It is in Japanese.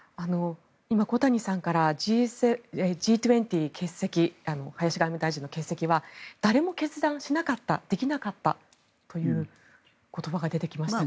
今、小谷さんから林外務大臣のＧ２０欠席は誰も決断しなかったできなかったという言葉が出てきましたが。